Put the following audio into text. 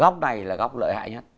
góc này là góc lợi hại nhất